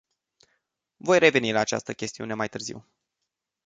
Voi reveni la această chestiune mai târziu.